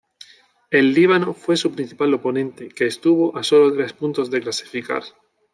El Líbano fue su principal oponente, que estuvo a solo tres puntos de clasificar.